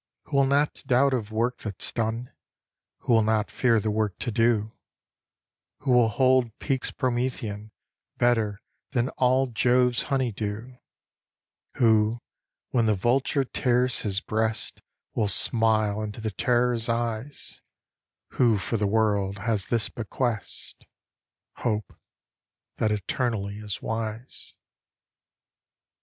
Who will not doubt of work that's done, Who will not fear the work to do, Who will hold peaks Promethean Better than all Jove's honey dew. Who when the Vulture tears his breast Will smile into the Terror's Eyes. Who for the World has this Bequest Hope, that eternally is wise.